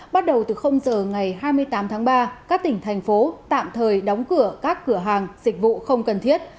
bắt đầu từ giờ ngày hai mươi tám tháng ba các tỉnh thành phố tạm thời đóng cửa các cửa hàng dịch vụ không cần thiết